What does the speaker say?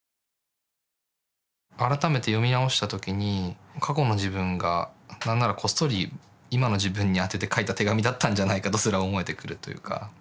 改めて読み直した時に過去の自分が何ならこっそり今の自分に宛てて書いた手紙だったんじゃないかとすら思えてくるというか。